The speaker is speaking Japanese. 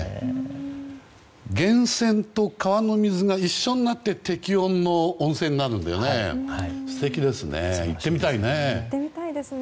源泉と川の水が一緒になって適温の温泉になるんだよね。